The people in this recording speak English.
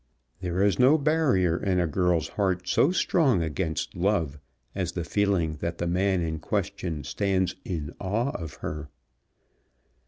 There is no barrier in a girl's heart so strong against love as the feeling that the man in question stands in awe of her.